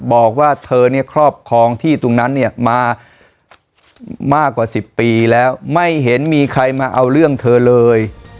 บอกว่าเธอเนี่ยครอบครองที่ตรงนั้นเนี่ยมามากกว่า๑๐ปีแล้วไม่เห็นมีใครมาเอาเรื่องเธอเลย